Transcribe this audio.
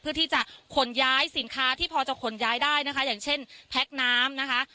เพื่อที่จะขนย้ายสินค้าที่พอจะขนย้ายได้นะคะอย่างเช่นแพ็คน้ำนะคะ